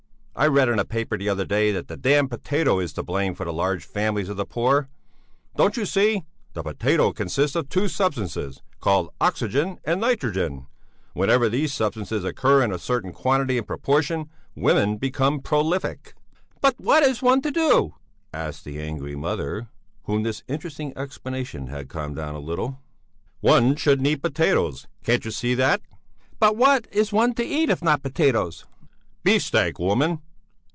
I read in a paper the other day that the damned potato is to blame for the large families of the poor; don't you see, the potato consists of two substances, called oxygen and nitrogen; whenever these substances occur in a certain quantity and proportion, women become prolific." "But what is one to do?" asked the angry mother, whom this interesting explanation had calmed down a little. "One shouldn't eat potatoes; can't you see that?" "But what is one to eat if not potatoes?" "Beef steak, woman!